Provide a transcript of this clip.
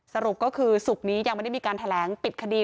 สรุปก็คือศุกร์นี้ยังไม่ได้มีการแถลงปิดคดี